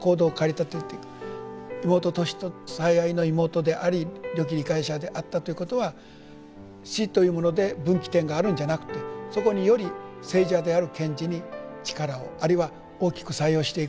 妹トシと最愛の妹でありよき理解者であったということは死というもので分岐点があるんじゃなくてそこにより生者である賢治に力をあるいは大きく作用していく。